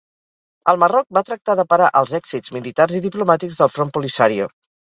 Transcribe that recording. El Marroc va tractar de parar els èxits militars i diplomàtics del Front Polisario.